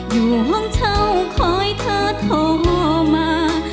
อยู่ห้องเช่าคอยเธอโทรมา